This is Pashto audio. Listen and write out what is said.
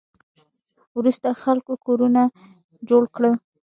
وروسته خلکو کورونه جوړ کړل